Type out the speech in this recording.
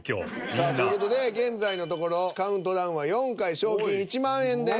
さあという事で現在のところカウントダウンは４回賞金１万円です。